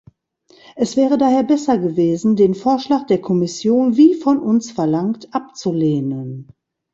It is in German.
Es wäre daher besser gewesen, den Vorschlag der Kommission wie von uns verlangt abzulehnen.